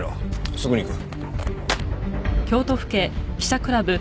すぐに行く。